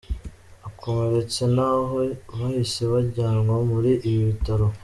Abakomeretse nabo bahise bajyanwa muri ibi bitaro.